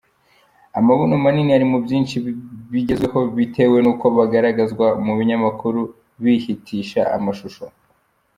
Amabuno manini ari muri byinshi bigezweho bitewe n’uko bigaragazwa mu binyamakuru bihitisha amashusho.